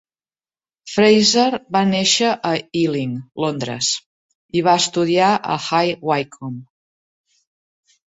Fraser va néixer a Ealing, Londres i va estudiar a High Wycombe.